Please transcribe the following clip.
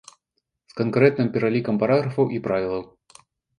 З канкрэтным пералікам параграфаў і правілаў.